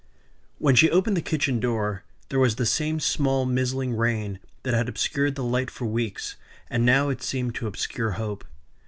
When she opened the kitchen door there was the same small, mizzling rain that had obscured the light for weeks, and now it seemed to obscure hope.